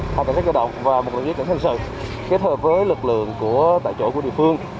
hai cảnh sát giao động và một lực lượng dịch tỉnh thành sự kết hợp với lực lượng tại chỗ của địa phương